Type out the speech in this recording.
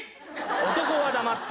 男は黙って。